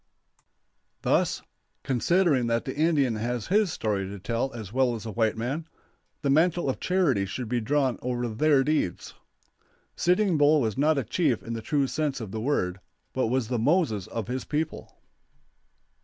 Thus, considering that the Indian has his story to tell as well as the white man, the mantle of charity should be drawn over their deeds. Sitting Bull was not a chief in the true sense of the word, but was the Moses of his people.